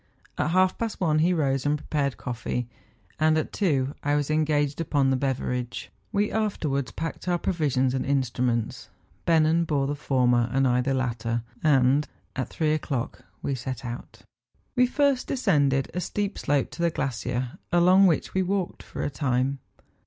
At half past one he rose and prepared coffee, and at two I was engaged upon the beverage. \Ve after 38 MOUNTAIN ADVENTURES. wards packed our provisions and instruments ; Bennen bore the former and I the latter, and at three o'clock we set out. We first descended a steep slope to the glacier, along which we walked for a time.